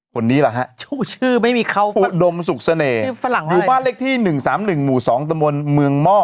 คนนี้หรอครับอุดมสุขเสน่ห์อุบาลเลขที่๑๓๑หมู่๒ตมเมืองม่อ